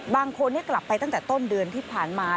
บางคนกลับไปตั้งแต่ต้นเดือนที่ผ่านมา